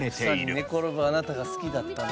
「草にねころぶあなたが好きだったの」